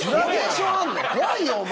怖いよお前！